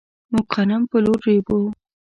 موږ غنم په لور ريبو.